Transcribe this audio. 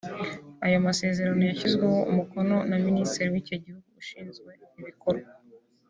ayo masezerano yashyizweho umukono na Ministiri w’icyo gihugu ushinzwe ibikorwa